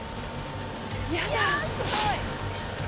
いやあすごい！